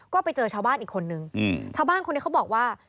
ก็ไปเจอชาวบ้านอีกคนนึงชาวบ้านคนนี้เขาบอกว่า